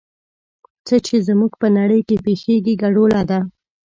څه چې زموږ په نړۍ کې پېښېږي ګډوله ده.